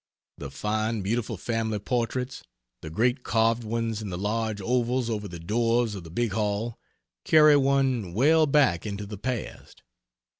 The fine beautiful family portraits the great carved ones in the large ovals over the doors of the big hall carry one well back into the past.